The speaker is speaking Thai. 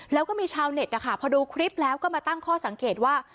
แล้วก็มีชาวเน็ตนะคะพอดูคลิปแล้วก็มาตั้งข้อสังเกตว่า